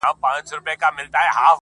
کيسې د پروني ماښام د جنگ در اچوم~